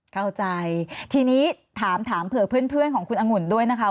เข้าใจทีนี้ถามถามเผื่อเพื่อนของคุณอังุ่นด้วยนะคะ